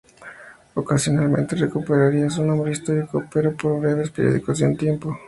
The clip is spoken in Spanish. Ocasionalmente recuperaría su nombre histórico, pero por breves periodos de tiempo.